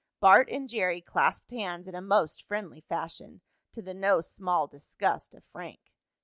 Bart and Jerry clasped hands in a most friendly fashion, to the no small disgust of Frank.